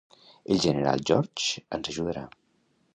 El general George ens ajudarà.